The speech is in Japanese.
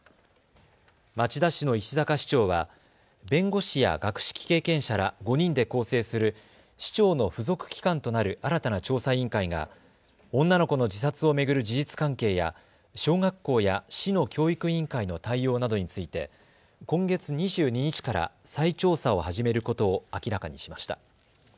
町田市の石阪市長は弁護士や学識経験者ら５人で構成する市長の付属機関となる新たな調査委員会が女の子の自殺を巡る事実関係や小学校や市の教育委員会の対応などについて今月２２日から再調査を始めることを明らかにしました。